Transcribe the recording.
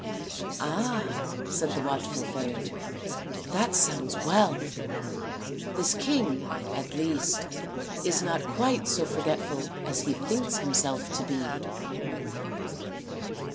" Ah," said the watchful fairy, " that sounds well This king, at least, is not quite so forgetful as he thinks himself to be."